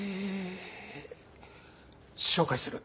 紹介する。